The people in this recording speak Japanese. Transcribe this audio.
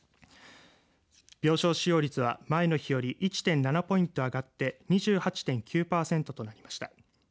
病床使用率は前の日より１．７ポイント上がって２８．９パーセントとなりました。